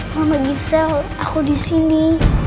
mama gisel aku di sini